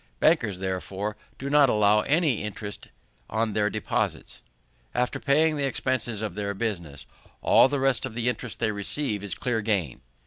Bankers, therefore, do not allow any interest on their deposits. After paying the expenses of their business, all the rest of the interest they receive is clear gain.